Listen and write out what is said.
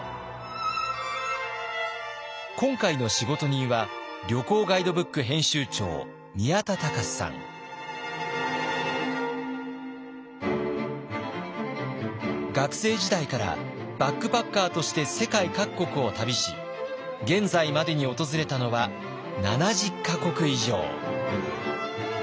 今回の仕事人は学生時代からバックパッカーとして世界各国を旅し現在までに訪れたのは７０か国以上。